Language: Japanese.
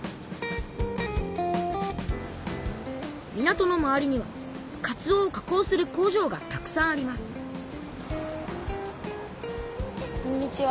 港の周りにはかつおを加工する工場がたくさんありますこんにちは。